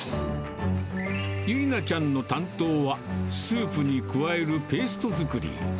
由奈ちゃんの担当は、スープに加えるペースト作り。